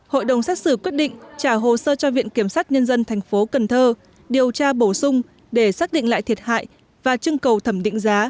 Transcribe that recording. hội đồng xét xử quyết định trả hồ sơ cho viện kiểm sát nhân dân tp cn điều tra bổ sung để xác định lại thiệt hại và chứng cầu thẩm định giá